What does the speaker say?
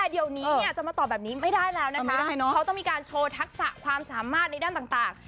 เดี๋ยวนี้เนี่ยจะมาตอบแบบนี้ไม่ได้แล้วนะคะเขาต้องมีการโชว์ทักษะความสามารถในด้านต่าง